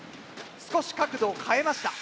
少し角度を変えました。